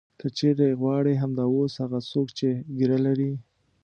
که چېرې غواړې همدا اوس هغه څوک چې ږیره لري.